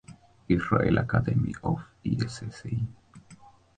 Israel Academy of Sci.